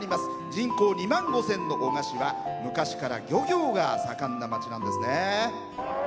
人口２万５０００の男鹿市は昔から漁業が盛んな町なんですね。